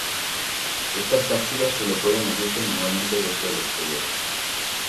Estas cápsulas solo pueden abrirse manualmente desde el exterior.